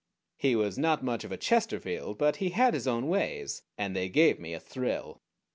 He was not much of a Chesterfield; but he had his own ways, and they gave me a thrill.